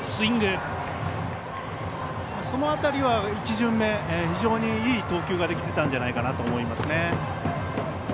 その辺りは１巡目非常にいい投球ができていたんじゃないかなと思います。